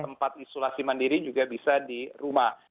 tempat isolasi mandiri juga bisa di rumah